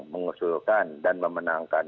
mengusulkan dan memenangkan